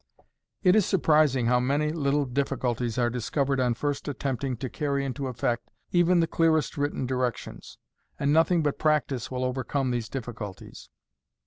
It is surprising how many little difficulties are discoverer! on first attempting to carry into effect even the clearest written directions ; and nothing but practice will overcome these difficulties.